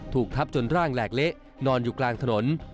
ถูกทับจนร่างแหลกเละนอนอยู่กลางถนน